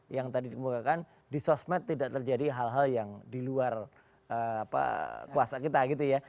yang tadi dikemukakan di sosmed tidak terjadi hal hal yang di luar kuasa kita gitu ya